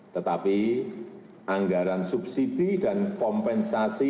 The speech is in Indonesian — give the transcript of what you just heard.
tetapi anggaran subsidi dan kompensasi